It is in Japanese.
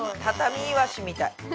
たたみいわしみたい。